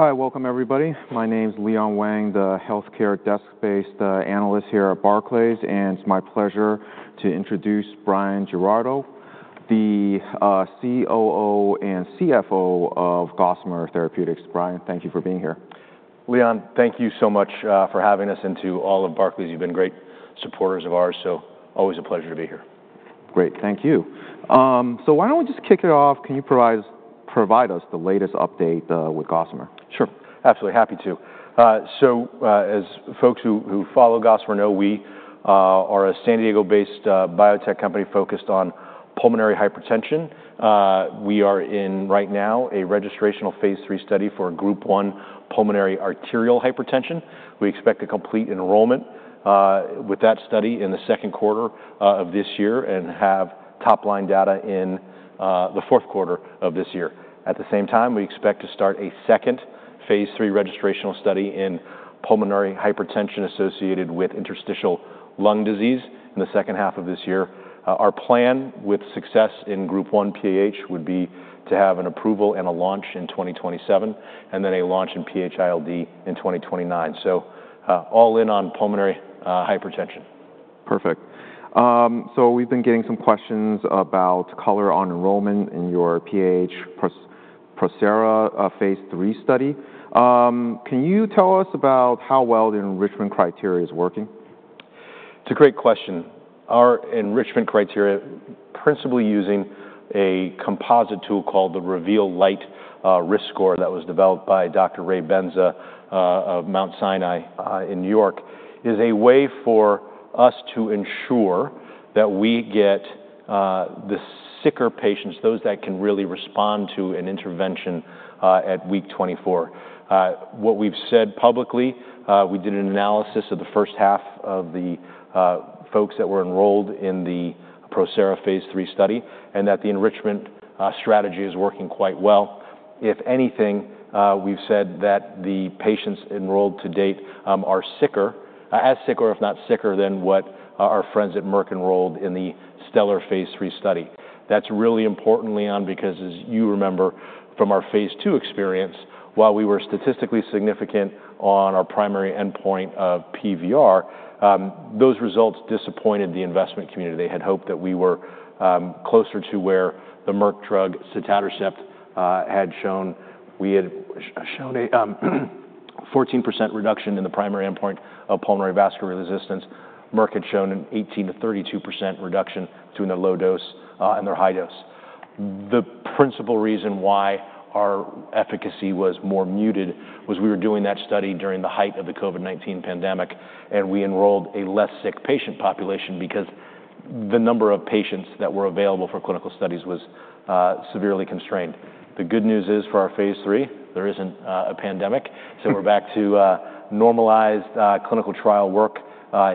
All right, welcome everybody. My name's Leon Wang, the healthcare desk-based analyst here at Barclays, and it's my pleasure to introduce Bryan Giraudo, the COO and CFO of Gossamer Bio. Brian, thank you for being here. Leon, thank you so much for having us into all of Barclays. You've been great supporters of ours, so always a pleasure to be here. Great, thank you. Why don't we just kick it off? Can you provide us the latest update with Gossamer? Sure, absolutely, happy to. As folks who follow Gossamer know, we are a San Diego-based biotech company focused on pulmonary hypertension. We are in right now a registrational phase three study for group one pulmonary arterial hypertension. We expect to complete enrollment with that study in the second quarter of this year and have top-line data in the fourth quarter of this year. At the same time, we expect to start a second phase three registrational study in pulmonary hypertension associated with interstitial lung disease in the second half of this year. Our plan with success in group one PAH would be to have an approval and a launch in 2027, and then a launch in PH-ILD in 2029. All in on pulmonary hypertension. Perfect. We have been getting some questions about color on enrollment in your PAH Prosera phase three study. Can you tell us about how well the enrichment criteria is working? It's a great question. Our enrichment criteria, principally using a composite tool called the REVEAL Lite Risk Score that was developed by Dr. Ray Benza of Mount Sinai in New York, is a way for us to ensure that we get the sicker patients, those that can really respond to an intervention at week 24. What we've said publicly, we did an analysis of the first half of the folks that were enrolled in the seralutinib phase 3 study and that the enrichment strategy is working quite well. If anything, we've said that the patients enrolled to date are as sick, if not sicker, than what our friends at Merck enrolled in the STELLAR phase 3 study. That's really important, Leon, because as you remember from our phase 2 experience, while we were statistically significant on our primary endpoint of PVR, those results disappointed the investment community. They had hoped that we were closer to where the Merck drug citatrecept had shown. We had shown a 14% reduction in the primary endpoint of pulmonary vascular resistance. Merck had shown an 18-32% reduction between their low dose and their high dose. The principal reason why our efficacy was more muted was we were doing that study during the height of the COVID-19 pandemic, and we enrolled a less sick patient population because the number of patients that were available for clinical studies was severely constrained. The good news is for our phase three, there isn't a pandemic, so we're back to normalized clinical trial work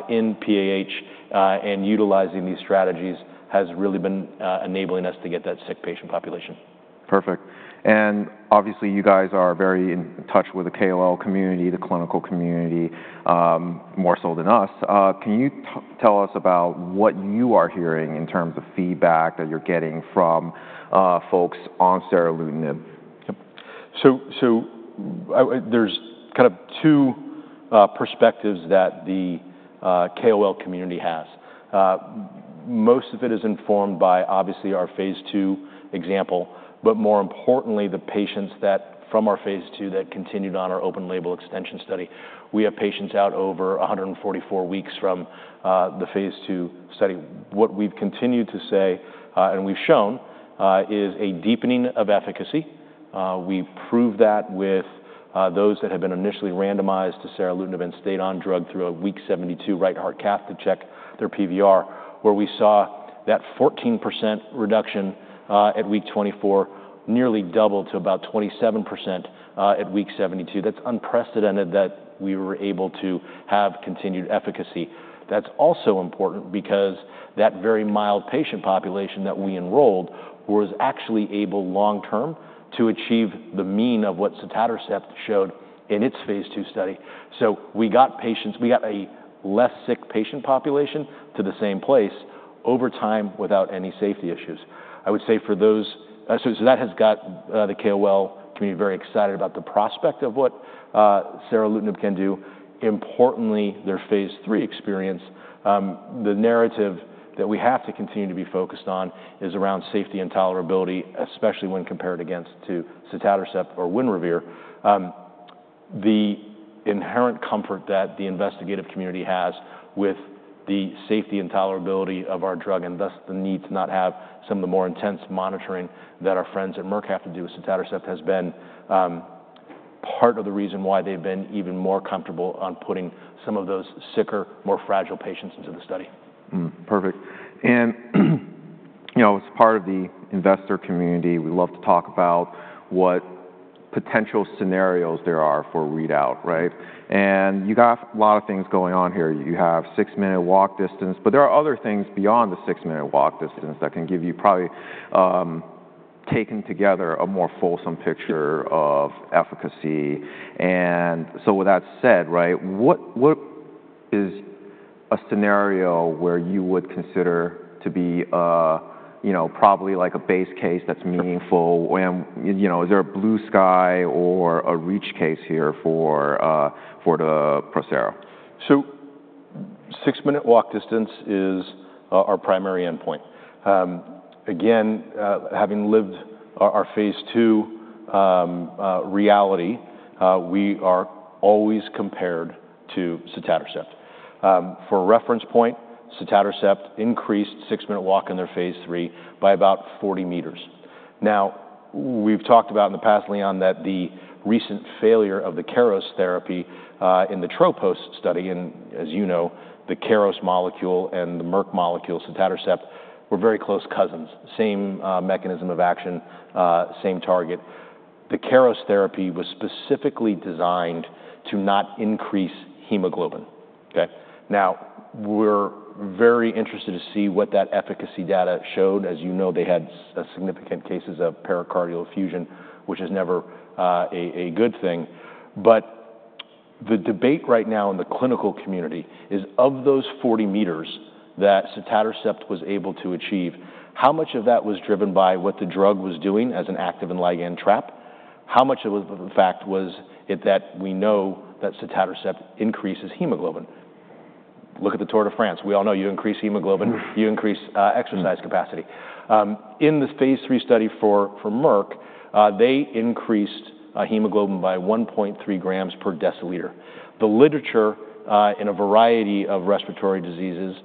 in PAH, and utilizing these strategies has really been enabling us to get that sick patient population. Perfect. Obviously, you guys are very in touch with the KOL community, the clinical community, more so than us. Can you tell us about what you are hearing in terms of feedback that you're getting from folks on seralutinib? There are kind of two perspectives that the KOL community has. Most of it is informed by obviously our phase two example, but more importantly, the patients that from our phase two that continued on our open label extension study. We have patients out over 144 weeks from the phase two study. What we've continued to say and we've shown is a deepening of efficacy. We proved that with those that have been initially randomized to seralutinib and stayed on drug through a week 72 right heart cath to check their PVR, where we saw that 14% reduction at week 24, nearly doubled to about 27% at week 72. That is unprecedented that we were able to have continued efficacy. That is also important because that very mild patient population that we enrolled was actually able long term to achieve the mean of what sotatercept showed in its phase two study. We got patients, we got a less sick patient population to the same place over time without any safety issues. I would say for those, that has got the KOL community very excited about the prospect of what seralutinib can do. Importantly, their phase three experience, the narrative that we have to continue to be focused on is around safety and tolerability, especially when compared against sotatercept or Winrevair. The inherent comfort that the investigative community has with the safety and tolerability of our drug and thus the need to not have some of the more intense monitoring that our friends at Merck have to do with sotatercept has been part of the reason why they've been even more comfortable on putting some of those sicker, more fragile patients into the study. Perfect. As part of the investor community, we love to talk about what potential scenarios there are for readout, right? You got a lot of things going on here. You have six-minute walk distance, but there are other things beyond the six-minute walk distance that can give you, probably taken together, a more fulsome picture of efficacy. With that said, right, what is a scenario where you would consider to be probably like a base case that's meaningful? Is there a blue sky or a reach case here for the seralutinib? Six-minute walk distance is our primary endpoint. Again, having lived our phase two reality, we are always compared to citatrecept. For reference point, citatrecept increased six-minute walk in their phase three by about 40 meters. Now, we've talked about in the past, Leon, that the recent failure of the Caris therapy in the TROPOS study, and as you know, the Caris molecule and the Merck molecule, citatrecept, were very close cousins, same mechanism of action, same target. The Caris therapy was specifically designed to not increase hemoglobin. Okay? Now, we're very interested to see what that efficacy data showed. As you know, they had significant cases of pericardial effusion, which is never a good thing. The debate right now in the clinical community is of those 40 meters that citatrecept was able to achieve, how much of that was driven by what the drug was doing as an active and ligand trap? How much of it, in fact, was it that we know that citatrecept increases hemoglobin? Look at the Tour de France. We all know you increase hemoglobin, you increase exercise capacity. In the phase three study for Merck, they increased hemoglobin by 1.3 grams per deciliter. The literature in a variety of respiratory diseases,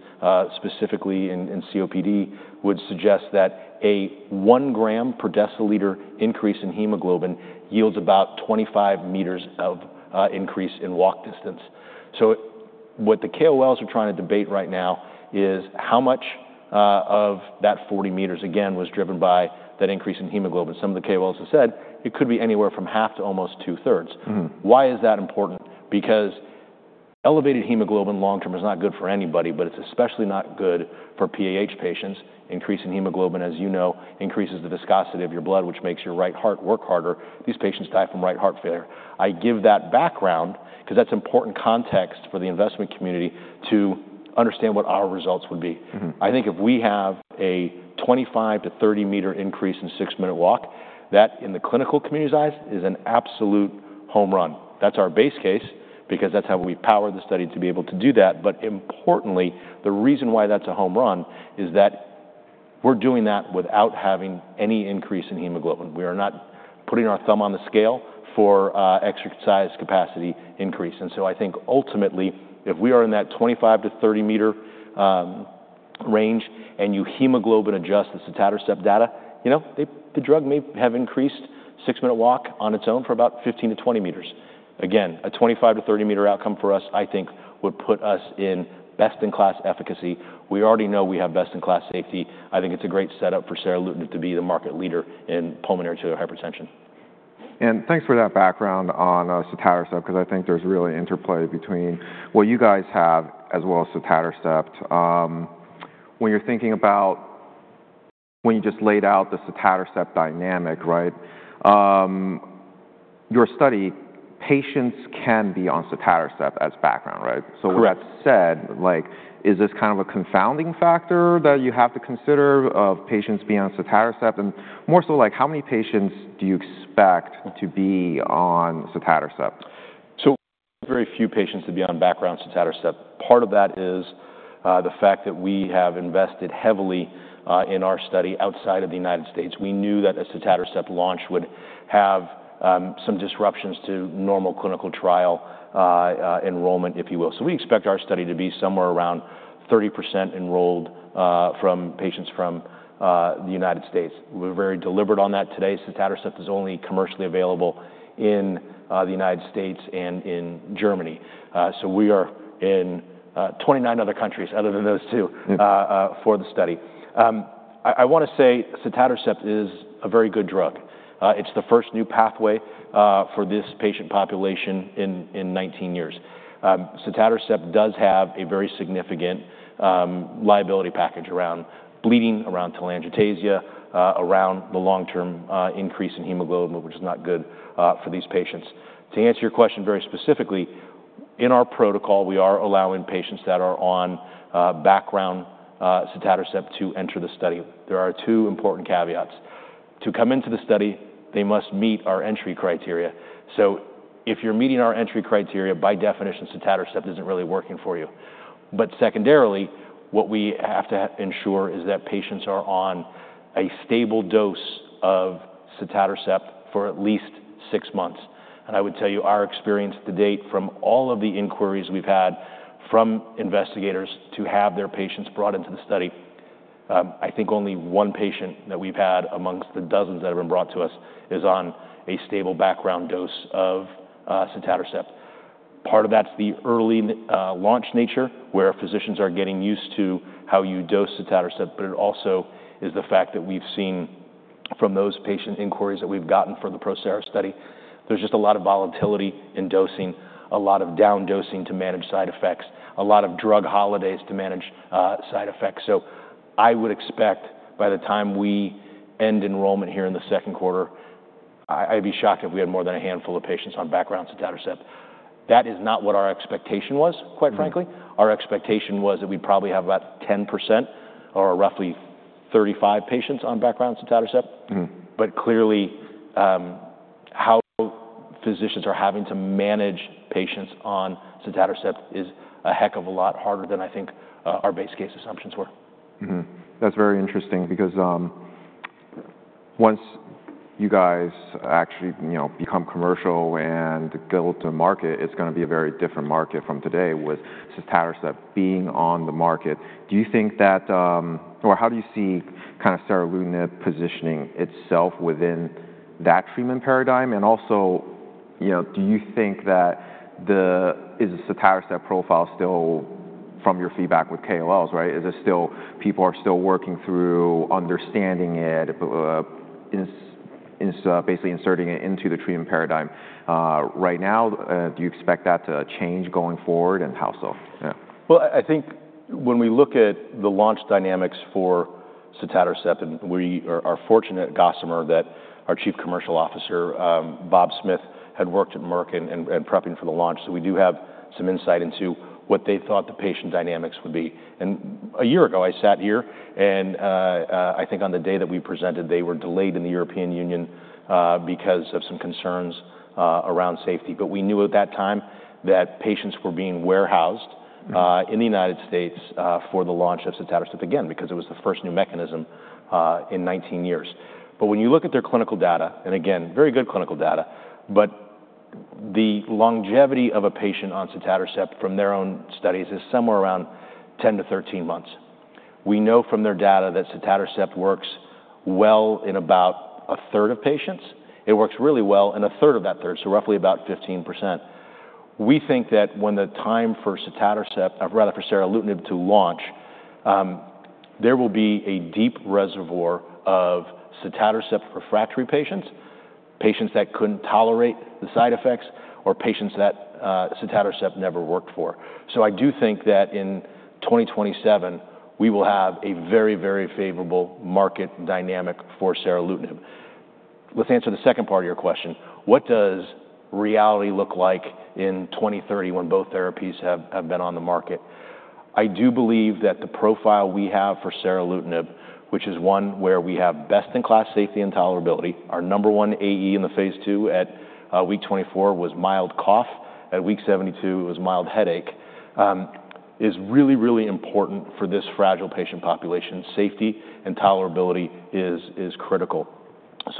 specifically in COPD, would suggest that a 1 gram per deciliter increase in hemoglobin yields about 25 meters of increase in walk distance. What the KOLs are trying to debate right now is how much of that 40 meters, again, was driven by that increase in hemoglobin. Some of the KOLs have said it could be anywhere from half to almost two-thirds. Why is that important? Because elevated hemoglobin long term is not good for anybody, but it's especially not good for PAH patients. Increasing hemoglobin, as you know, increases the viscosity of your blood, which makes your right heart work harder. These patients die from right heart failure. I give that background because that's important context for the investment community to understand what our results would be. I think if we have a 25-30 meter increase in six-minute walk, that in the clinical community's eyes is an absolute home run. That's our base case because that's how we power the study to be able to do that. Importantly, the reason why that's a home run is that we're doing that without having any increase in hemoglobin. We are not putting our thumb on the scale for exercise capacity increase. I think ultimately, if we are in that 25-30 meter range and you hemoglobin adjust the citatrecept data, you know, the drug may have increased six-minute walk on its own for about 15-20 meters. Again, a 25-30 meter outcome for us, I think, would put us in best in class efficacy. We already know we have best in class safety. I think it's a great setup for seralutinib to be the market leader in pulmonary arterial hypertension. Thanks for that background on sotatercept because I think there's really interplay between what you guys have as well as sotatercept. When you're thinking about when you just laid out the sotatercept dynamic, right, your study, patients can be on sotatercept as background, right? With that said, is this kind of a confounding factor that you have to consider of patients being on sotatercept? More so, how many patients do you expect to be on sotatercept? Very few patients to be on background sotatercept. Part of that is the fact that we have invested heavily in our study outside of the United States. We knew that a sotatercept launch would have some disruptions to normal clinical trial enrollment, if you will. We expect our study to be somewhere around 30% enrolled from patients from the United States. We are very deliberate on that today. Sotatercept is only commercially available in the United States and in Germany. We are in 29 other countries other than those two for the study. I want to say sotatercept is a very good drug. It is the first new pathway for this patient population in 19 years. Sotatercept does have a very significant liability package around bleeding, around telangiectasia, around the long-term increase in hemoglobin, which is not good for these patients. To answer your question very specifically, in our protocol, we are allowing patients that are on background citatrecept to enter the study. There are two important caveats. To come into the study, they must meet our entry criteria. If you're meeting our entry criteria, by definition, citatrecept isn't really working for you. Secondarily, what we have to ensure is that patients are on a stable dose of citatrecept for at least six months. I would tell you our experience to date from all of the inquiries we've had from investigators to have their patients brought into the study, I think only one patient that we've had amongst the dozens that have been brought to us is on a stable background dose of citatrecept. Part of that's the early launch nature where physicians are getting used to how you dose sotatercept, but it also is the fact that we've seen from those patient inquiries that we've gotten for the Prosera study, there's just a lot of volatility in dosing, a lot of down dosing to manage side effects, a lot of drug holidays to manage side effects. I would expect by the time we end enrollment here in the second quarter, I'd be shocked if we had more than a handful of patients on background sotatercept. That is not what our expectation was, quite frankly. Our expectation was that we'd probably have about 10% or roughly 35 patients on background sotatercept. Clearly, how physicians are having to manage patients on sotatercept is a heck of a lot harder than I think our base case assumptions were. That's very interesting because once you guys actually become commercial and go to market, it's going to be a very different market from today with sotatercept being on the market. Do you think that, or how do you see kind of seralutinib positioning itself within that treatment paradigm? Also, do you think that the sotatercept profile still, from your feedback with KOLs, right, is it still people are still working through understanding it, basically inserting it into the treatment paradigm right now? Do you expect that to change going forward and how so? I think when we look at the launch dynamics for citatrecept, we are fortunate at Gossamer that our Chief Commercial Officer, Bob Smith, had worked at Merck and prepping for the launch. We do have some insight into what they thought the patient dynamics would be. A year ago, I sat here, and I think on the day that we presented, they were delayed in the European Union because of some concerns around safety. We knew at that time that patients were being warehoused in the United States for the launch of citatrecept, again, because it was the first new mechanism in 19 years. When you look at their clinical data, and again, very good clinical data, the longevity of a patient on citatrecept from their own studies is somewhere around 10-13 months. We know from their data that citatrecept works well in about a third of patients. It works really well in a third of that third, so roughly about 15%. We think that when the time for citatrecept, rather for seralutinib to launch, there will be a deep reservoir of citatrecept refractory patients, patients that could not tolerate the side effects, or patients that citatrecept never worked for. I do think that in 2027, we will have a very, very favorable market dynamic for seralutinib. Let's answer the second part of your question. What does reality look like in 2030 when both therapies have been on the market? I do believe that the profile we have for seralutinib, which is one where we have best in class safety and tolerability, our number one AE in the phase two at week 24 was mild cough. At week 72, it was mild headache, is really, really important for this fragile patient population. Safety and tolerability is critical.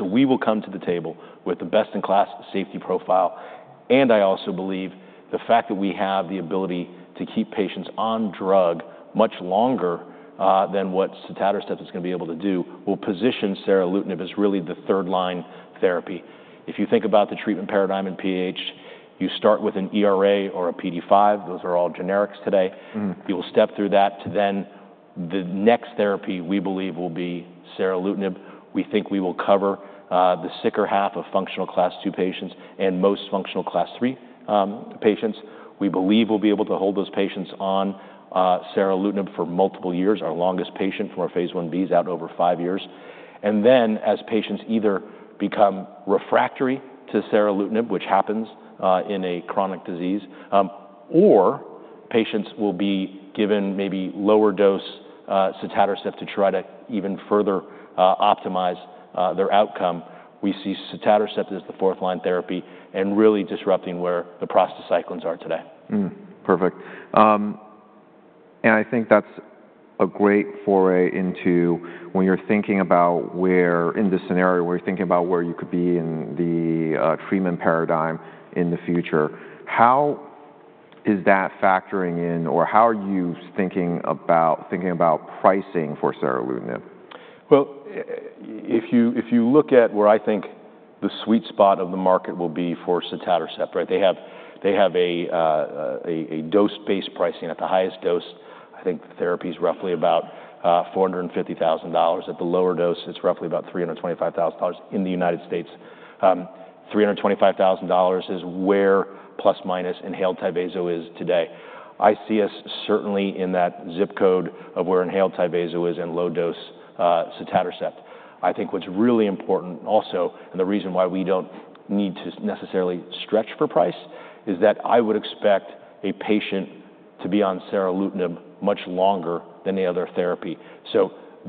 We will come to the table with the best in class safety profile. I also believe the fact that we have the ability to keep patients on drug much longer than what sotatercept is going to be able to do will position seralutinib as really the third line therapy. If you think about the treatment paradigm in PAH, you start with an ERA or a PD-5. Those are all generics today. You will step through that to then the next therapy we believe will be seralutinib. We think we will cover the sicker half of functional class two patients and most functional class three patients. We believe we'll be able to hold those patients on seralutinib for multiple years. Our longest patient for our phase one B is out over five years. As patients either become refractory to seralutinib, which happens in a chronic disease, or patients will be given maybe lower dose sotatercept to try to even further optimize their outcome, we see sotatercept as the fourth line therapy and really disrupting where the prostacyclines are today. Perfect. I think that's a great foray into when you're thinking about where in the scenario where you're thinking about where you could be in the treatment paradigm in the future, how is that factoring in or how are you thinking about pricing for seralutinib? If you look at where I think the sweet spot of the market will be for citatrecept, right, they have a dose-based pricing at the highest dose. I think the therapy is roughly about $450,000. At the lower dose, it's roughly about $325,000 in the United States. $325,000 is where plus minus inhaled Tyvaso is today. I see us certainly in that zip code of where inhaled Tyvaso is in low dose citatrecept. I think what's really important also, the reason why we don't need to necessarily stretch for price, is that I would expect a patient to be on seralutinib much longer than the other therapy.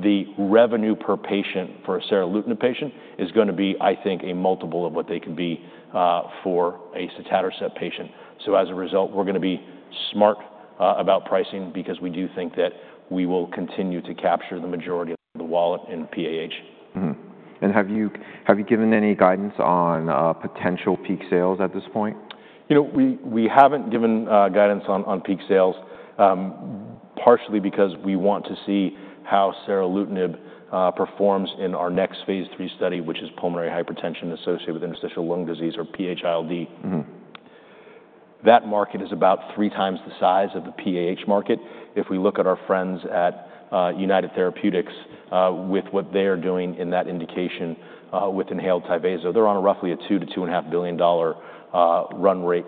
The revenue per patient for a seralutinib patient is going to be, I think, a multiple of what they could be for a citatrecept patient. As a result, we're going to be smart about pricing because we do think that we will continue to capture the majority of the wallet in PAH. Have you given any guidance on potential peak sales at this point? You know, we haven't given guidance on peak sales partially because we want to see how seralutinib performs in our next phase three study, which is pulmonary hypertension associated with interstitial lung disease or PH-ILD. That market is about three times the size of the PAH market. If we look at our friends at United Therapeutics with what they are doing in that indication with inhaled Tyvaso, they're on roughly a $2 billion-$2.5 billion run rate.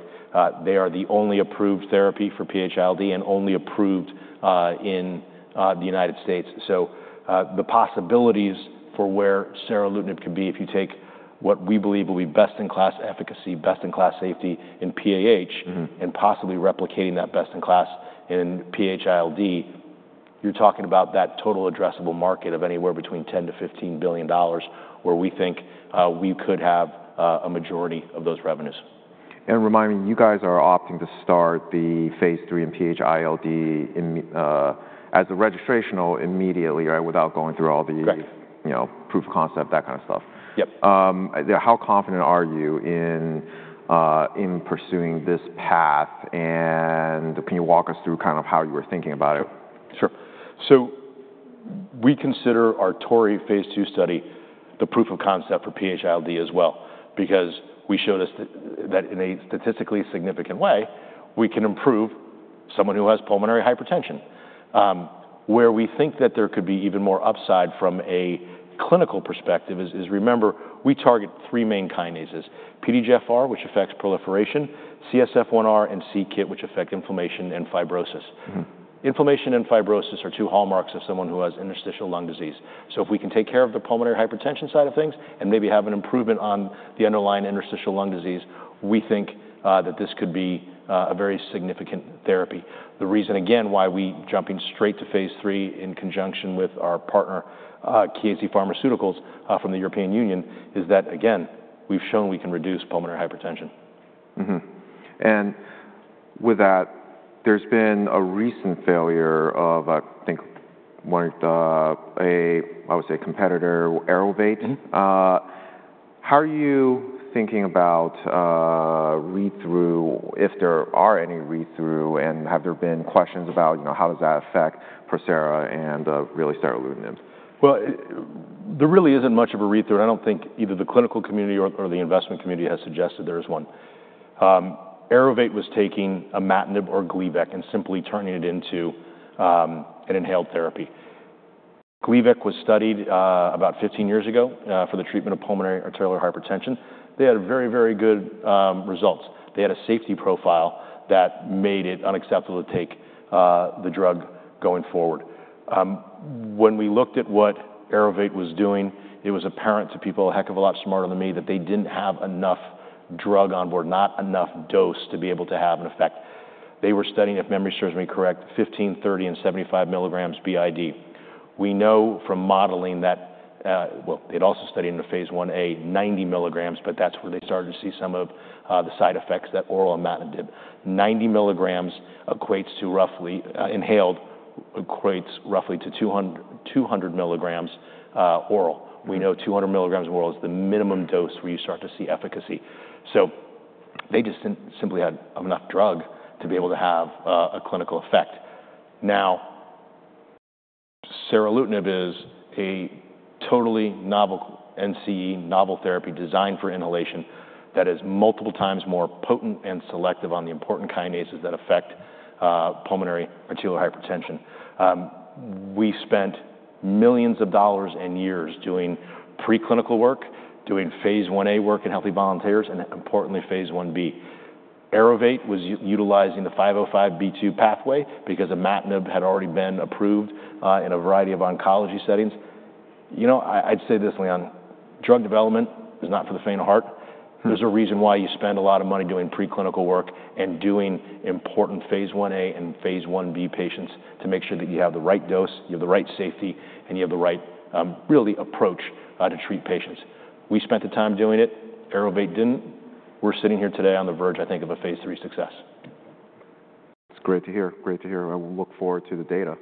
They are the only approved therapy for PH-ILD and only approved in the United States. The possibilities for where seralutinib could be, if you take what we believe will be best in class efficacy, best in class safety in PAH, and possibly replicating that best in class in PH-ILD, you're talking about that total addressable market of anywhere between $10 billion-$15 billion where we think we could have a majority of those revenues. Remind me, you guys are opting to start the phase three in PH-ILD as a registrational immediately, right, without going through all the proof of concept, that kind of stuff. Yep. How confident are you in pursuing this path? Can you walk us through kind of how you were thinking about it? Sure. We consider our TORREY phase two study the proof of concept for PH-ILD as well because we showed that in a statistically significant way, we can improve someone who has pulmonary hypertension. Where we think that there could be even more upside from a clinical perspective is, remember, we target three main kinases: PDGFR, which affects proliferation, CSF1R and c-KIT, which affect inflammation and fibrosis. Inflammation and fibrosis are two hallmarks of someone who has interstitial lung disease. If we can take care of the pulmonary hypertension side of things and maybe have an improvement on the underlying interstitial lung disease, we think that this could be a very significant therapy. The reason, again, why we are jumping straight to phase three in conjunction with our partner, Chiesi Pharmaceuticals from the European Union, is that, again, we have shown we can reduce pulmonary hypertension. There has been a recent failure of, I think, I would say a competitor, Aerovate. How are you thinking about read-through, if there are any read-through, and have there been questions about how does that affect Prosera and really seralutinib? There really isn't much of a read-through. I don't think either the clinical community or the investment community has suggested there is one. AeroVate was taking imatinib or Gleevec and simply turning it into an inhaled therapy. Gleevec was studied about 15 years ago for the treatment of pulmonary arterial hypertension. They had very, very good results. They had a safety profile that made it unacceptable to take the drug going forward. When we looked at what AeroVate was doing, it was apparent to people a heck of a lot smarter than me that they didn't have enough drug on board, not enough dose to be able to have an effect. They were studying, if memory serves me correct, 15, 30, and 75 milligrams b.i.d. We know from modeling that, well, they'd also studied in a phase one A, 90 milligrams, but that's where they started to see some of the side effects that oral imatinib. Ninety milligrams equates to roughly, inhaled equates roughly to 200 milligrams oral. We know 200 milligrams oral is the minimum dose where you start to see efficacy. They just simply had enough drug to be able to have a clinical effect. Now, seralutinib is a totally novel NCE, novel therapy designed for inhalation that is multiple times more potent and selective on the important kinases that affect pulmonary arterial hypertension. We spent millions of dollars and years doing preclinical work, doing phase one A work in healthy volunteers, and importantly, phase one B. AeroVate was utilizing the 505B2 pathway because imatinib had already been approved in a variety of oncology settings. You know, I'd say this, Leon, drug development is not for the faint of heart. There's a reason why you spend a lot of money doing preclinical work and doing important phase one A and phase one B patients to make sure that you have the right dose, you have the right safety, and you have the right, really, approach to treat patients. We spent the time doing it. AeroVate didn't. We're sitting here today on the verge, I think, of a phase three success. That's great to hear. Great to hear. I will look forward to the data.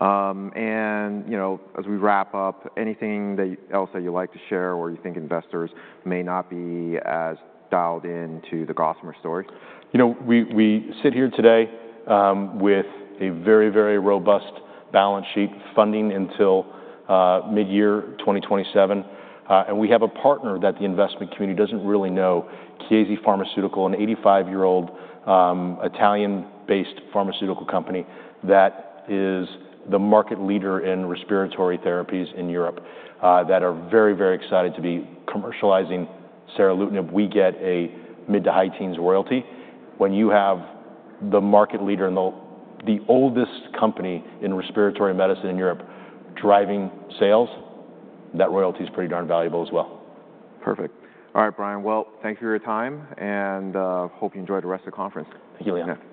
As we wrap up, anything else that you'd like to share or you think investors may not be as dialed into the Gossamer story? You know, we sit here today with a very, very robust balance sheet funding until mid-year 2027. We have a partner that the investment community does not really know, Chiesi Pharmaceuticals, an 85-year-old Italian-based pharmaceutical company that is the market leader in respiratory therapies in Europe that are very, very excited to be commercializing seralutinib. We get a mid to high teens royalty. When you have the market leader and the oldest company in respiratory medicine in Europe driving sales, that royalty is pretty darn valuable as well. Perfect. All right, Brian. Thank you for your time, and hope you enjoyed the rest of the conference. Thank you, Leon.